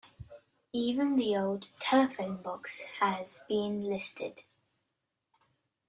Even the old telephone box has been "listed".